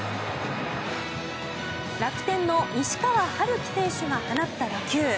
楽天の西川遥輝選手が放った打球。